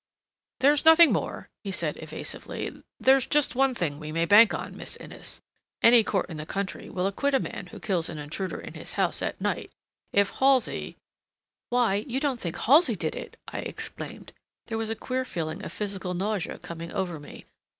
"There's nothing more," he said evasively. "There's just one thing we may bank on, Miss Innes. Any court in the country will acquit a man who kills an intruder in his house, at night. If Halsey—" "Why, you don't think Halsey did it!" I exclaimed. There was a queer feeling of physical nausea coming over me.